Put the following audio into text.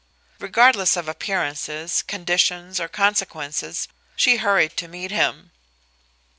Regardless of appearances, conditions or consequences, she hurried to meet him.